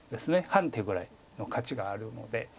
半手ぐらいの価値があるので。